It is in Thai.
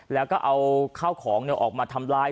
แล้วก็เอาข้าวของออกมาทำลาย